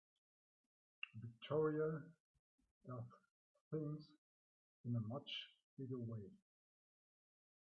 Victoria does things in a much bigger way.